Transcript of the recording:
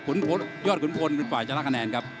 ไฟน้ำเงินยอดขุนพลเป็นฝ่ายชนะคะแนนครับ